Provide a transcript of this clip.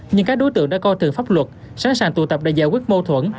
nhưng các đối tượng đã coi thường pháp luật sẵn sàng tụ tập để giải quyết mâu thuẫn